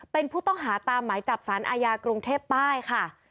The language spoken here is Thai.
เป็นผู้ต้องหาตามหมายจับสารอาญากรุงเทพใต้ค่ะ